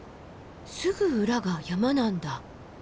すぐ裏が山なんだ。